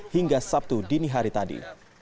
hingga sabtu dini hari tadi